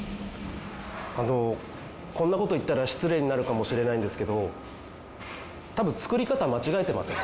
あのこんな事言ったら失礼になるかもしれないんですけど多分作り方間違えてません？